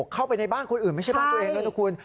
เข้าไปในบ้านคนอื่นไม่ใช่บ้านตัวเองแล้วนะคุณ